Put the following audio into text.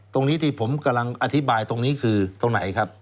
ตรงนี้ที่ผมกำลังอธิบายตรงนี้คือตรงไหนครับ